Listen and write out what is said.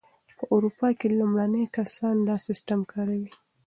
په اروپا کې لومړني کسان دا سیسټم کاروي.